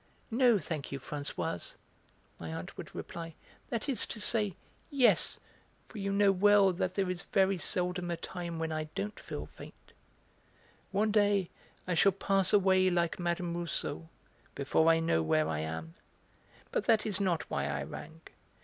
"No, thank you, Françoise," my aunt would reply, "that is to say, yes; for you know well that there is very seldom a time when I don't feel faint; one day I shall pass away like Mme. Rousseau, before I know where I am; but that is not why I rang.